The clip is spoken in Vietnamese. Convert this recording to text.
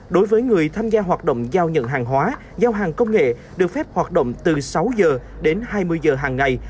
đối với người tham gia hoạt động giao nhận hàng hóa giao hàng công nghệ được phép hoạt động từ sáu h đến hai mươi h hàng ngày